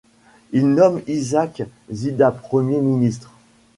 Il nomme Isaac Zida Premier ministre.